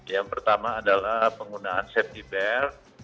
yang pertama adalah penggunaan safety bear